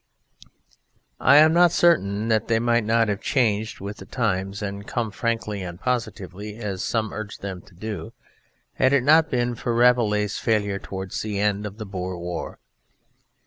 I am not certain that they might not have changed with the times and come frankly and positively, as some urged them to do, had it not been for Rabelais' failure towards the end of the Boer war.